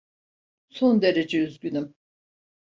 Son derece üzgünüm.